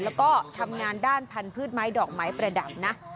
แล้วก็ทำงานด้านพันธุ์ไม้ดอกไม้ประดับนะ